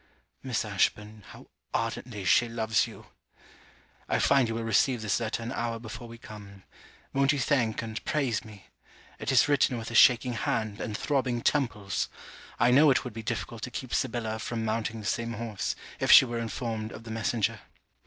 Miss Ashburn, how ardently she loves you! I find you will receive this letter an hour before we come. Won't you thank, and praise me? It is written with a shaking hand, and throbbing temples. I know it would be difficult to keep Sibella from mounting the same horse, if she were informed of the messenger.